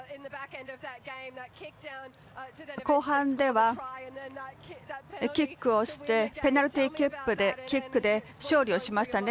後半では、キックをしてペナルティーキックで勝利をしましたね。